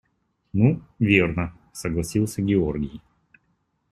– Ну, верно, – согласился Георгий.